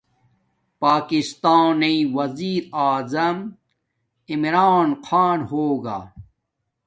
پاکتانݵ ویزاعظم عمران خان ہوگا